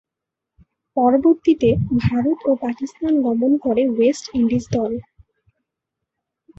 পরবর্তীতে ভারত ও পাকিস্তান গমন করে ওয়েস্ট ইন্ডিজ দল।